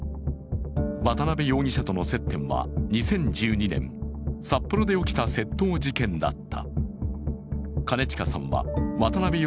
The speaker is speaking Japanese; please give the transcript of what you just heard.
渡辺容疑者との接点は２０１２年、札幌で起きた窃盗事件だった。